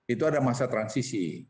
itu ada masa transisi